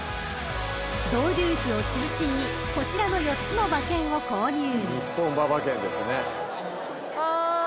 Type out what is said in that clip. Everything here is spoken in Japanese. ［ドウデュースを中心にこちらの４つの馬券を購入］